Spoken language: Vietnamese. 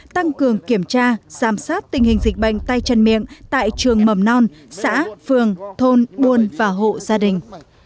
tăng cường kiểm tra giám sát tình hình dịch bệnh tay chân miệng tại trường mầm non xã phường thôn buôn và hộ gia đình